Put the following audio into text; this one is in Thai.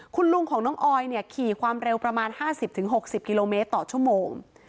คุณลุงของน้องออยขี่ความเร็วประมาณ๕๐๖๐กิโลเมตรต่อชั่วโมง